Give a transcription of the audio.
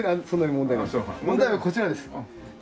問題はこちらです。